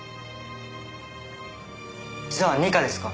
じゃあ二課ですか？